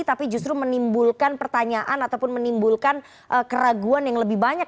tapi justru menimbulkan pertanyaan ataupun menimbulkan keraguan yang lebih banyak